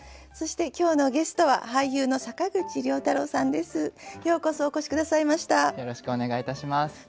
そして今日のゲストは俳優の坂口涼太郎さんです。